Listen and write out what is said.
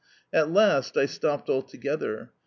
At last I stopped altogether.